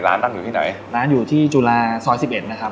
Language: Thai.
ร้านตั้งอยู่ที่ไหนร้านอยู่ที่จุฬาซอยสิบเอ็ดนะครับ